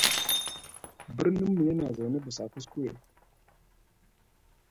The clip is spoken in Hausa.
Birnin mu yana zaune bisa kuskure.